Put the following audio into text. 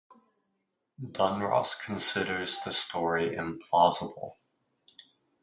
Dunross considers the story implausible.